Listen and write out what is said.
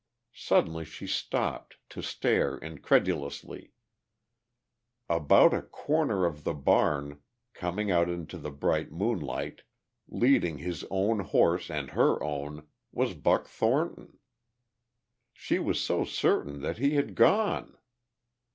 Suddenly she stopped to stare incredulously. About a corner of the barn, coming out into the bright moonlight, leading his own horse and her own, was Buck Thornton. She was so certain that he had gone!